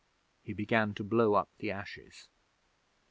He began to blow up the ashes.